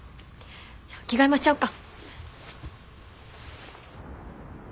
じゃあ着替えもしちゃおっか。